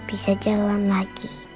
bisa jalan lagi